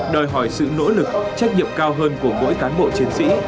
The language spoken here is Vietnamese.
đòi hỏi sự nỗ lực trách nhiệm cao hơn của mỗi cán bộ chiến sĩ